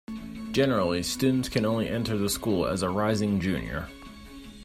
Generally, students can only enter the school as a rising junior.